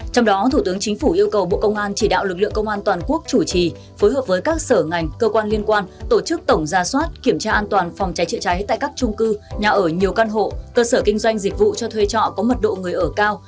trong đó thủ tướng chính phủ yêu cầu bộ công an chỉ đạo lực lượng công an toàn quốc chủ trì phối hợp với các sở ngành cơ quan liên quan tổ chức tổng ra soát kiểm tra an toàn phòng cháy chữa cháy tại các trung cư nhà ở nhiều căn hộ cơ sở kinh doanh dịch vụ cho thuê trọ có mật độ người ở cao